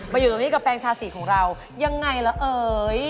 อยู่ตรงนี้กับแฟนคาสีของเรายังไงล่ะเอ๋ย